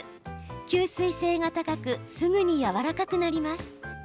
吸水性が高くすぐにやわらかくなります。